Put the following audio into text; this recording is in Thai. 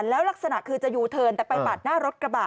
แล้วลักษณะคือจะยูเทิร์นแต่ไปปาดหน้ารถกระบะ